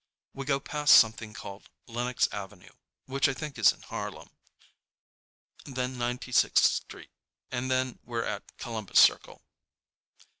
We go past something called Lenox Avenue, which I think is in Harlem, then Ninety sixth Street, and then we're at Columbus Circle.